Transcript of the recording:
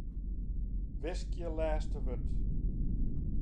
Wiskje lêste wurd.